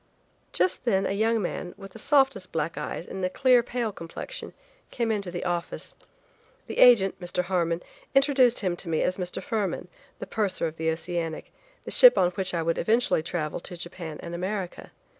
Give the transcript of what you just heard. Just then a young man, with the softest black eyes and a clear pale complexion, came into the office. The agent, Mr. Harmon, introduced him to me as Mr. Fuhrmann, the purser of the Oceanic, the ship on which I would eventually travel to Japan and America.